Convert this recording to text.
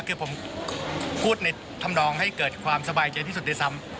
คือผมพูดในธรรมนองให้เกิดความสบายใจที่สุดด้วยซ้ำ